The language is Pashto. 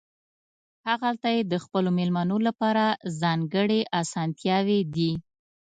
هغلته یې د خپلو مېلمنو لپاره ځانګړې اسانتیاوې دي.